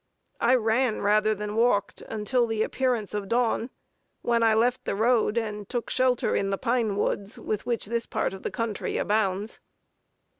I ran rather than walked, until the appearance of dawn, when I left the road and took shelter in the pine woods, with which this part of the country abounds.